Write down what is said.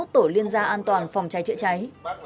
ba mươi một tổ liên gia an toàn phòng cháy chữa cháy